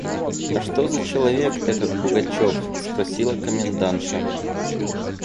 – А что за человек этот Пугачев? – спросила комендантша.